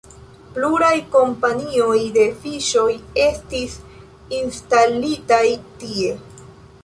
Pluraj kompanioj de fiŝoj estis instalitaj tie.